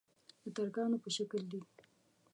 د ترکانو په شکل دي.